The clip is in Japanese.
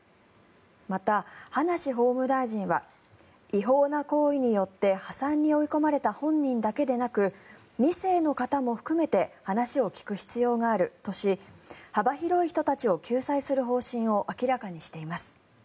また、葉梨法務大臣は違法な行為によって破産に追い込まれた本人だけではなく２世の方も含めて話を聞く必要があるとし幅広い人たちを救済する方針を明らかにしています。